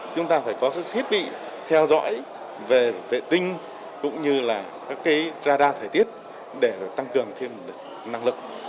chúng ta phải có các thiết bị theo dõi về vệ tinh cũng như là các cái radar thời tiết để tăng cường thêm năng lực